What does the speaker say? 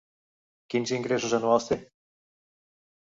Quins ingressos anuals té?